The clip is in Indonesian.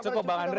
cukup bang andre